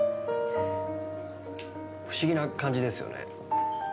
不思議な感じですよね。